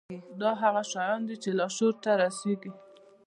دا هغه شيان دي چې لاشعور ته رسېږي.